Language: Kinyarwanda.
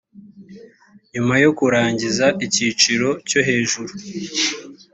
nyuma yo kurangiza icyiciro cyo hejuru